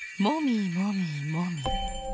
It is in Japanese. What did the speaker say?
もみもみもみ。